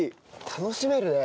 楽しめるね。